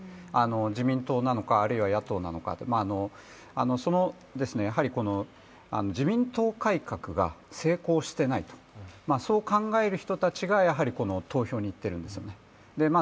自民党なのか、あるいは野党なのか自民党改革が成功してないと、そう考える人たちが投票に行ってるんですよね。